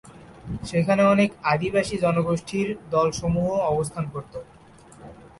সেখানে অনেক আদিবাসী জনগোষ্ঠীর দলসমূহ অবস্থান করতো।